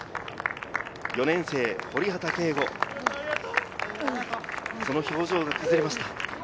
４年生・堀畑佳吾、その表情が崩れました。